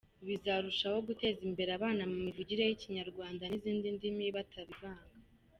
Bizarushaho guteza imbere abana mu mivugire y’Ikinyarwanda n’izindi ndimi batabivanga.